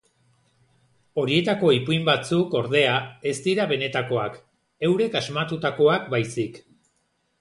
Horietako ipuin batzuk, ordea, ez dira benetakoak, eurek asmatutakoak baizik.